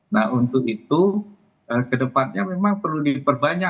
nah untuk itu kedepannya memang perlu diperbanyak